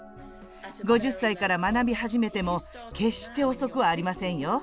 ５０歳から学び始めても決して遅くはありませんよ。